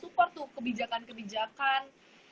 support tuh kebijakan kebijakan